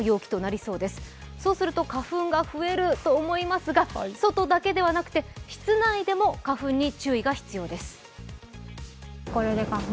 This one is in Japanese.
そうすると花粉が増えると思いますが、外だけではなくて室内でも花粉に注意が必要です。